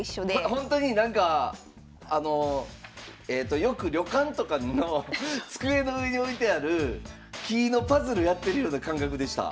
ほんとになんかあのえとよく旅館とかの机の上に置いてある木のパズルやってるような感覚でした。